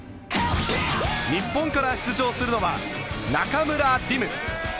日本から出場するのは中村輪夢。